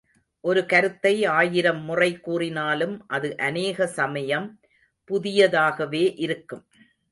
ஒரு கருத்தை ஆயிரம் முறை கூறினாலும் அது அநேக சமயம் புதிய தாகவே இருக்கும்.